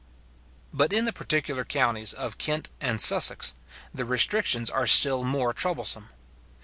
But in the particular counties of Kent and Sussex, the restrictions are still more troublesome.